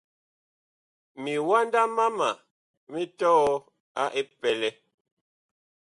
Miwanda mama mi tɔɔ a epɛlɛ.